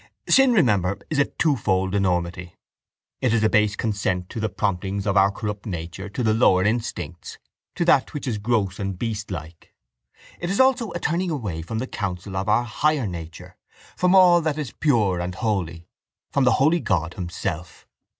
—Sin, remember, is a twofold enormity. It is a base consent to the promptings of our corrupt nature to the lower instincts, to that which is gross and beastlike; and it is also a turning away from the counsel of our higher nature, from all that is pure and holy, from the Holy God Himself.